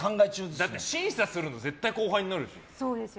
だって、審査するのが絶対、後輩になるでしょ。